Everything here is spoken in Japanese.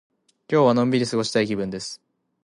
今日はのんびり過ごしたい気分です。